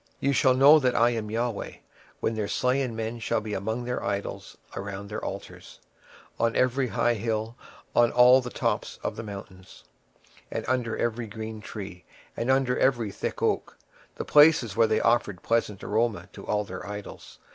26:006:013 Then shall ye know that I am the LORD, when their slain men shall be among their idols round about their altars, upon every high hill, in all the tops of the mountains, and under every green tree, and under every thick oak, the place where they did offer sweet savour to all their idols.